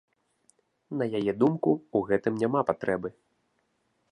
На яе думку, у гэтым няма патрэбы.